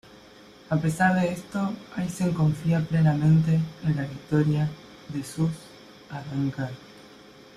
A pesar de esto, Aizen confía plenamente en la victoria de sus Arrancar.